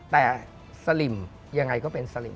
แต่สลิมยังไงก็เป็นสลิม